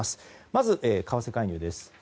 まず、為替介入です。